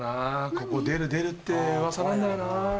ここ出る出るってうわさなんだよな。